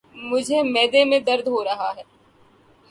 مجھے معدے میں درد ہو رہا ہے۔